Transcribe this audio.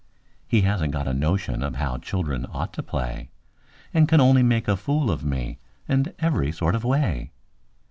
He hasn't got a notion of how children ought to play, And can only make a fool of me in every sort of way.